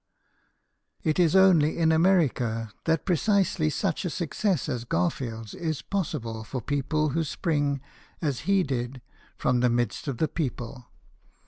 It is only in America that precisely such a success as Garfield's is possible for people who sprirg, as he did, from the midst of the people.